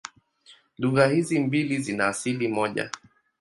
Lugha hizi mbili zina asili moja.